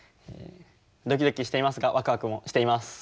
ドキドキしていますがワクワクもしています。